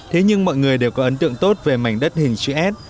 thế nhưng mọi người đều có ấn tượng tốt về mảnh đất hình chữ s